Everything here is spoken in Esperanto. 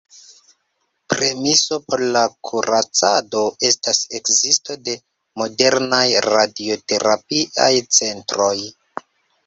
Premiso por la kuracado estas ekzisto de modernaj radioterapiaj centroj.